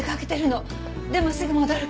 でもすぐ戻るから。